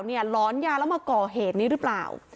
หลอนยาแล้วมาก่อเหตุนี้หรือเปล่า